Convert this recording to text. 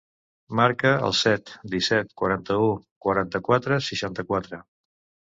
Marca el set, disset, quaranta-u, quaranta-quatre, seixanta-quatre.